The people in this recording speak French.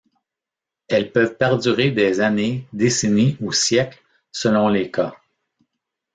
Elles peuvent perdurer des années, décennies ou siècles selon les cas.